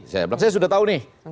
saya sudah tahu nih